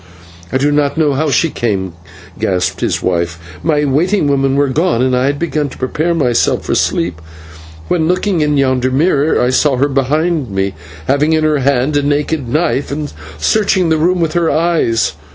"I do not know how she came," gasped his wife. "My waiting women were gone, and I had begun to prepare myself for sleep, when, looking into yonder mirror, I saw her behind me, having in her hand a naked knife, and searching the room with her eyes.